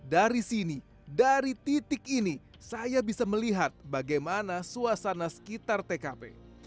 dari sini dari titik ini saya bisa melihat bagaimana suasana sekitar tkp